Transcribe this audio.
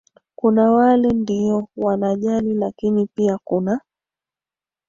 kuna wale ndio wanajali lakini pia kunaa